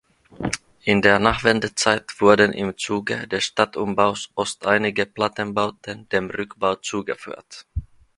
In der Nachwendezeit wurden im Zuge des Stadtumbaus Ost einige Plattenbauten dem Rückbau zugeführt.